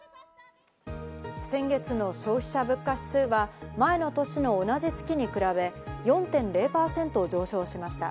先月の消費者物価指数は前の年の同じ月に比べ４．０％上昇しました。